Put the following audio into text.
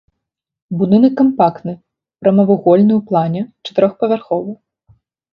Будынак кампактны, прамавугольны ў плане, чатырохпавярховы.